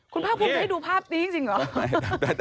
คุณพระพุทธชัยดูภาพนี้จริงหรอ